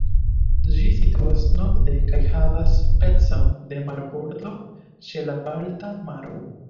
Ĝi situas norde kaj havas pecon de marbordo ĉe la Balta maro.